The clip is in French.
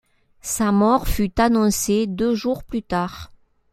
Sa mort fut annoncée deux jours plus tard.